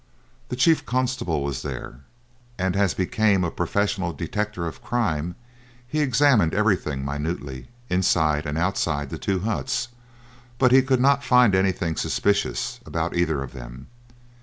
The chief constable was there, and as became a professed detector of crime, he examined everything minutely inside and outside the two huts, but he could not find anything suspicious about either of them.